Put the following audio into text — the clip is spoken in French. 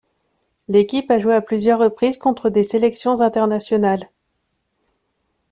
L'équipe a joué à plusieurs reprises contre des sélections internationales.